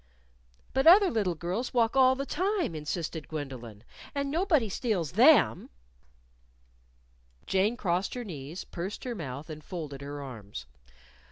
"But other little girls walk all the time," insisted Gwendolyn, "and nobody steals them." Jane crossed her knees, pursed her mouth and folded her arms.